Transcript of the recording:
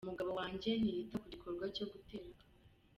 Umugabo wanjye ntiyita ku gikorwa cyo gutera akabariro.